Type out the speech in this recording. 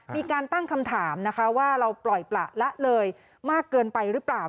มีการตั้งคำถามนะคะว่าเราปล่อยประละเลยมากเกินไปหรือเปล่า